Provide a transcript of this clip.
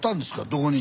どこに？